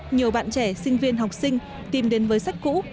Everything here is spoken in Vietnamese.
nhiều bạn trẻ sinh viên học sinh tìm đến với sách cũ